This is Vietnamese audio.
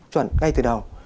chuẩn ngay từ đầu